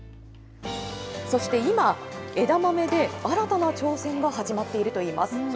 そして今、枝豆で、新たな挑戦が始まっているといいます。